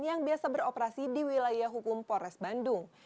yang biasa beroperasi di wilayah hukum polres bandung